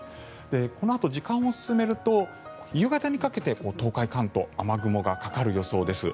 このあと、時間を進めると夕方にかけて東海、関東雨雲がかかる予想です。